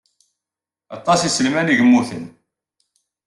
Aṭas iselman i yemmuten.